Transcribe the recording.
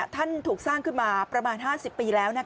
ท่านถูกสร้างขึ้นมาประมาณ๕๐ปีแล้ว